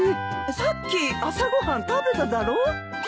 さっき朝ご飯食べただろ？